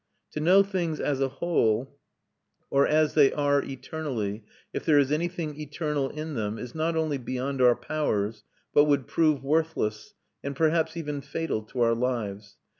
To know things as a whole, or as they are eternally, if there is anything eternal in them, is not only beyond our powers, but would prove worthless, and perhaps even fatal to our lives.